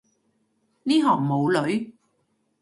呢行冇女